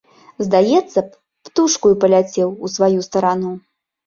Здаецца б, птушкаю паляцеў у сваю старану.